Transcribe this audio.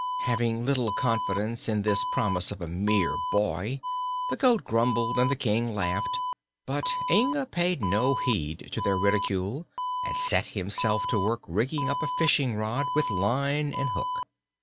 Having little confidence in this promise of a mere boy, the goat grumbled and the King laughed; but Inga paid no heed to their ridicule and set himself to work rigging up a fishing rod, with line and hook.